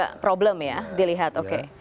ini juga problem ya dilihat